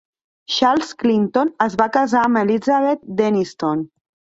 Charles Clinton es va casar amb Elizabeth Denniston.